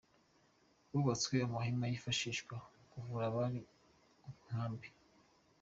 Hubatswe amahema yifashishwa mu kuvura abari mu nkambi.